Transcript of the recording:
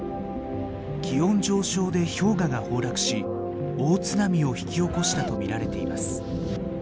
気温上昇で氷河が崩落し大津波を引き起こしたと見られています。